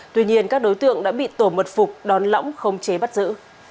tuy nhiên các đối tượng đã bị tổ mật phục đón lõng không chế bắt giữ